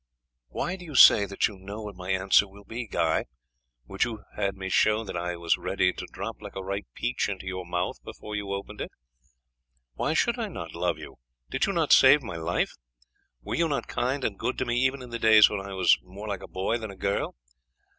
"Why do you say that you know what my answer will be, Guy? Would you have had me show that I was ready to drop like a ripe peach into your mouth before you opened it? Why should I not love you? Did you not save my life? Were you not kind and good to me even in the days when I was more like a boy than a girl?